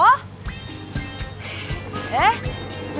mau beli sugar gak